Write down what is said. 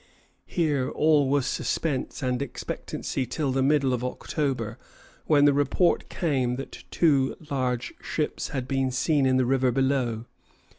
Here all was suspense and expectancy till the middle of October, when the report came that two large ships had been seen in the river below.